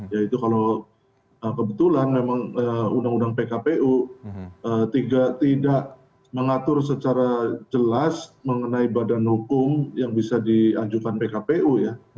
yaitu kalau kebetulan memang undang undang pkpu tidak mengatur secara jelas mengenai badan hukum yang bisa diajukan pkpu ya